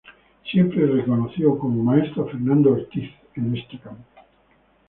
Siempre reconoció como maestro a Fernando Ortiz en este campo.